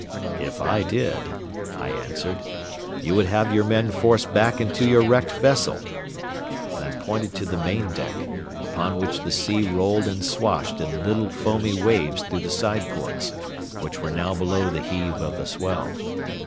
"If I did," I answered, "you would have your men forced back into your wrecked vessel." And I pointed to the main deck, upon which the sea rolled and swashed in little foamy waves through the side ports, which were now below the heave of the swell.